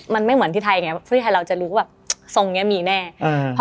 มันไม่เหมือนที่ไทยไงฟรีไทยเราจะรู้แบบทรงเนี้ยมีแน่อืม